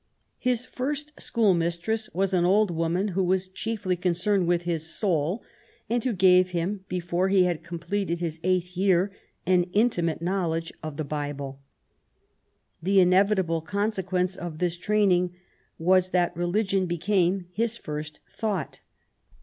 His first school mistress was an old woman, who was concerned chiefly with his soul, and who gave him,^ before he had completed his eighth year, an intimate knowledge of the Bible. The inevitable consequence of this training was that religion became his first thought.